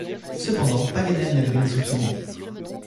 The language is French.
Cependant Paganel n’avait rien soupçonné.